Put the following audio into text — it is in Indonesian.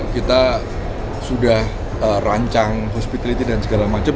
kita sudah rancang hospitality dan segala macam